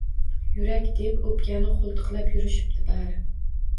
Yurak deb o‘pkani qo‘ltiqlab yurishibdi bari.